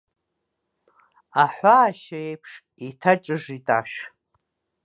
Аҳәаашьа еиԥш еиҭаҿыжит ашә.